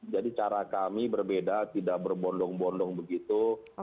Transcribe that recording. jadi cara kami berbeda tidak berbondong bondong begitu